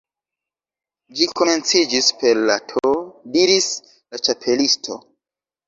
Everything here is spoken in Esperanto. "Ĝi komenciĝis per la T " diris la Ĉapelisto.